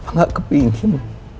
papa gak kepingin